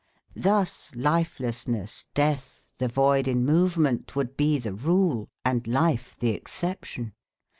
Thus lifelessness, death, the void in movement would be the rule; and life the exception!